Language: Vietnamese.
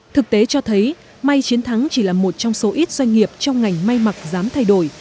thực tế cho thấy may chiến thắng chỉ là một trong số ít doanh nghiệp trong ngành may mặc dám thay đổi